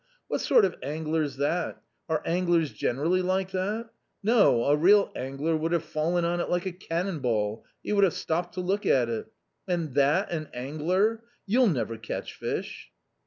What sort of angler's that ? are anglers generally like that ? No, a real angler would have fallen on it like a cannon ball, he would have stopped to look at it. And that an angler! You'll never catch fish